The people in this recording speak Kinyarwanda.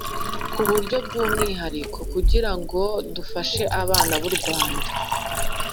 ku buryo bw’umwihariko kugira ngo dufashe abana b’u rwanda